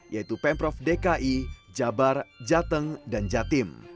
yaitu pemprov dki jabar jateng dan jatim